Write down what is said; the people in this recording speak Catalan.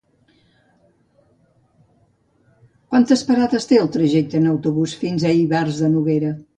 Quantes parades té el trajecte en autobús fins a Ivars de Noguera?